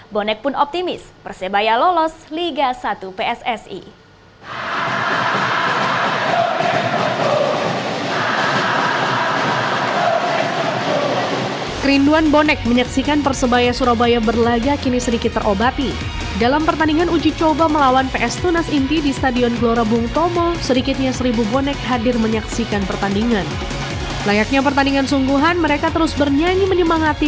bonek pun optimis persebaya lolos liga satu pssi